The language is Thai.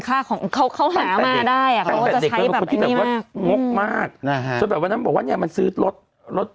ซะนี้กันไหนอะไรอีก